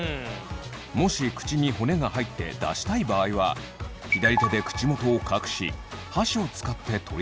もし口に骨が入って出したい場合は左手で口元を隠し箸を使って取り出します。